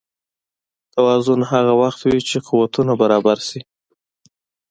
توازن هغه وخت وي چې قوتونه برابر شي.